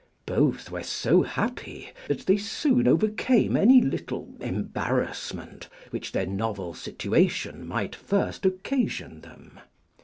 Both were so happy that they soon overcame any little embarrassment which their novel situation might first occasion them.